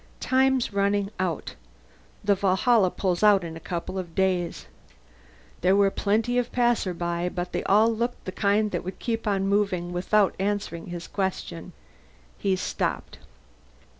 Time's running out. The Valhalla pulls out in a couple of days. There were plenty of passersby but they all looked like the kind that would keep on moving without answering his question. He stopped.